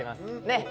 ねっ。